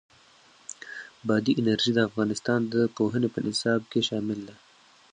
بادي انرژي د افغانستان د پوهنې په نصاب کې شامل ده.